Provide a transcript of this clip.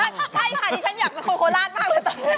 ใช่ค่ะดิฉันอยากเป็นคนโคลาศมากเลย